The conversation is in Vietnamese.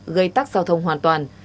gây tắc giao thông hoàn toàn